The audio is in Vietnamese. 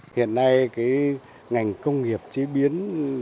hiện nay ngành công nghiệp chế biến